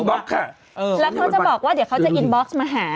แล้วเขาจะบอกว่าเดี๋ยวเขาจะอินบ็อกซ์มาหา